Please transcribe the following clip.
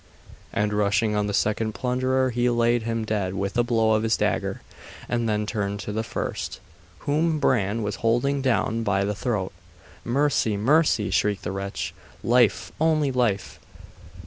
And rushing on the second plunderer, he laid him dead with a blow of his dagger, and then turned to the first, whom Bran was holding down by the throat. 'Mercy, mercy!' shrieked the wretch. 'Life! only life!